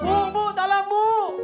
bu bu talang bu